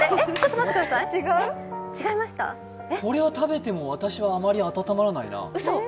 これは食べても、私はあまり温まらないなうそ？